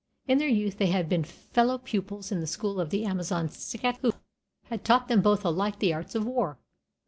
In their youth they had been fellow pupils in the school of the Amazon Scathach, who had taught them both alike the arts of war.